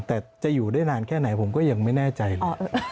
แต่จะอยู่ได้นานแค่ไหนผมก็ยังไม่แน่ใจเลย